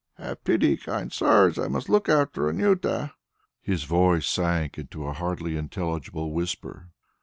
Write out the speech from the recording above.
Have pity, kind sirs, I must look after Anjuta." His voice sank to a hardly intelligible whisper.